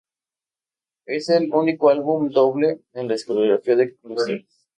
Es el único álbum doble en la discografía de Cluster.